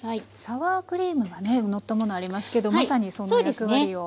サワークリームがねのったものありますけどまさにその役割を。